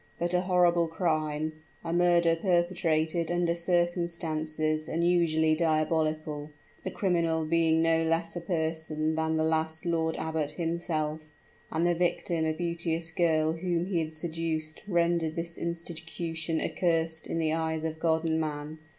But a horrible crime, a murder perpetrated under circumstances unusually diabolical, the criminal being no less a person than the last lord abbot himself, and the victim a beauteous girl whom he had seduced, rendered this institution accursed in the eyes of God and man.